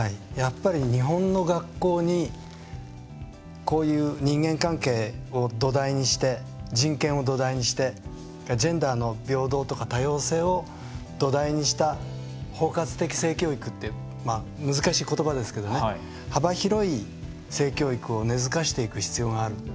日本の学校にこういう人間関係を土台にして人権を土台にしてジェンダーの平等とか多様性を土台にした包括的性教育って難しいことばですけど幅広い性教育を根づかせていく必要がある。